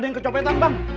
ada yang kecopetan bang